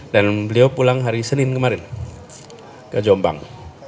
dan beliau pulang hari senin kemarin ke jombang